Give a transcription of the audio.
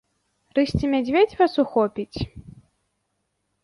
Рысь ці мядзведзь вас ухопіць?